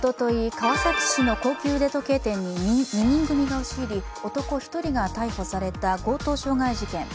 川崎市の高級腕時計店に２人組が押し入り、男１人が逮捕された強盗傷害事件。